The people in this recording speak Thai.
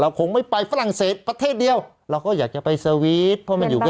คงไม่ไปฝรั่งเศสประเทศเดียวเราก็อยากจะไปสวีทเพราะมันอยู่กับ